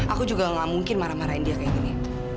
aku juga gak mungkin marah marahin dia kayak gini